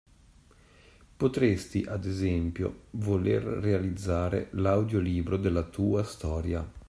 Potresti, ad esempio, voler realizzare l’Audiolibro della tua storia.